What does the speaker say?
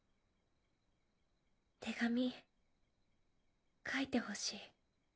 手紙書いてほしい。